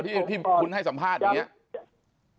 พี่คุณให้สัมภาษณ์เหมือนเงี่ย